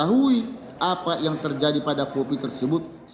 saya tidak tahu apa yang terjadi pada kopi tersebut